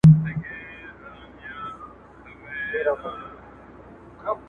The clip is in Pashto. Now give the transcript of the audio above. بېګناه چي د ګناه په تهمت وژني -